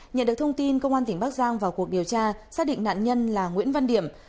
nhận được thông tin công an tỉnh bắc giang vào cuộc điều tra xác định nạn nhân là nguyễn văn điểm